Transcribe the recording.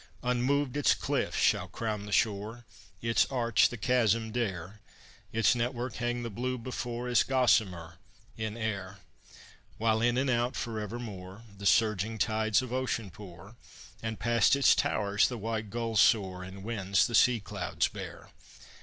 Unmoved its cliffs shall crown the shore; Its arch the chasm dare; Its network hang the blue before, As gossamer in air; While in and out, forevermore, The surging tides of ocean pour, And past its towers the white gulls soar And winds the sea clouds bear!